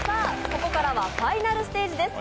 ここからはファイナルステージです。